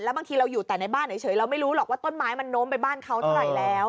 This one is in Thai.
บางทีเราอยู่แต่ในบ้านเฉยเราไม่รู้หรอกว่าต้นไม้มันโน้มไปบ้านเขาเท่าไหร่แล้ว